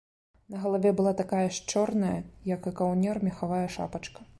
На галаве была такая ж чорная, як і каўнер, мехавая шапачка.